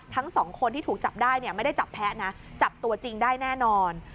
ทั้งสองคนที่ถูกจับได้เนี่ยไม่ได้จับแพ้นะจับตัวจริงได้แน่นอน